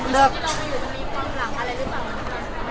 ที่เราจะอยู่ตรงนี้ก็หลังอะไรหรือเปล่านะครับ